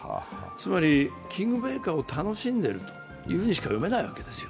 つまりキングメーカーを楽しんでいるようにしか見えないわけです。